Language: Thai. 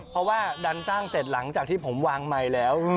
เพราะว่าดันสร้างเสร็จหลังจากที่ผมวางไมค์แล้ว